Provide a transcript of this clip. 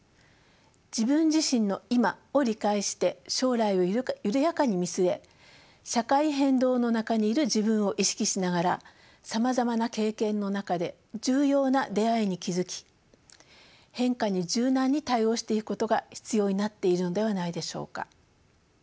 自分自身の今を理解して将来を緩やかに見据え社会変動の中にいる自分を意識しながらさまざまな経験の中で重要な出会いに気付き変化に柔軟に対応していくことが必要になっているのではないでしょうか。